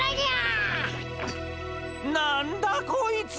なんだこいつ！